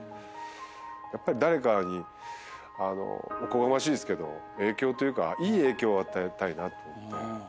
やっぱり誰かにおこがましいですけど影響というかいい影響を与えたいなと思って。